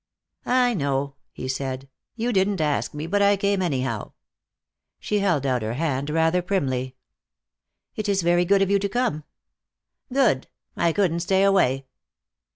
"I know," he said. "You didn't ask me, but I came anyhow." She held out her hand rather primly. "It is very good of you to come." "Good! I couldn't stay away."